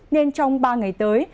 nên trong ba ngày tới